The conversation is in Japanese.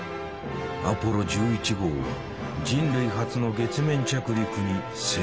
アポロ１１号は人類初の月面着陸に成功した。